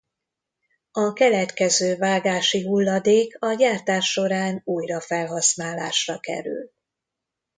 A keletkező vágási hulladék a gyártás során újra felhasználásra kerül.